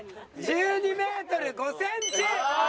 １２メートル５センチ！